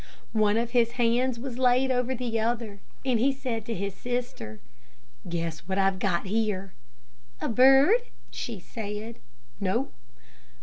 One of his hands was laid over the other, and he said to his sister, "Guess what I've got here." "A bird," she said, "No."